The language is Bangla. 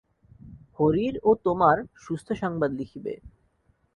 হরির ও তোমার সুস্থ সংবাদ লিখিবে।